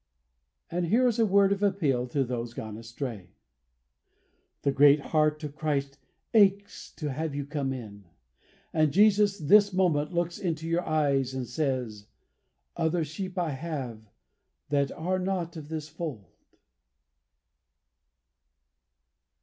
And here is a word of appeal to those gone astray: "The great heart of Christ aches to have you come in; and Jesus this moment looks into your eyes and says: 'Other sheep I have that are not of this fold.'"